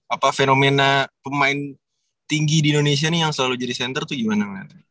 apa fenomena pemain tinggi di indonesia nih yang selalu jadi center tuh gimana